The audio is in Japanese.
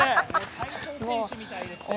体操選手みたいですよね。